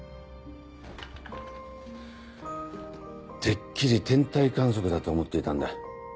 てっきり天体観測だと思っていたんだ。